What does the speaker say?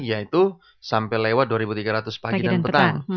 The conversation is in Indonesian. yaitu sampai lewat dua ribu tiga ratus pagi dan petang